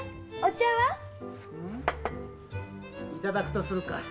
いただくとするか。